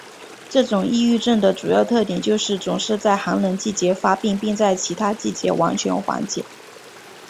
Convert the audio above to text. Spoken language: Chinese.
这种抑郁症的主要特点就是总是在寒冷季节发病并在其他季节完全缓解。